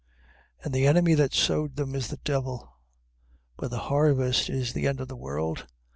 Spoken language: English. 13:39. And the enemy that sowed them, is the devil. But the harvest is the end of the world.